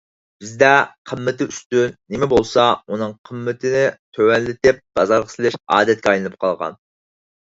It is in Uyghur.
بىزدە قىممىتى ئۈستۈن نېمە بولسا ئۇنىڭ قىممىتىنى تۆۋەنلىتىپ بازارغا سېلىش ئادەتكە ئايلىنىپ قالغان.